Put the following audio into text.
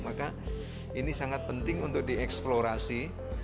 maka ini sangat penting untuk dieksplorasi